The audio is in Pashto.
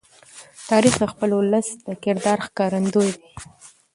تاریخ د خپل ولس د کردار ښکارندوی دی.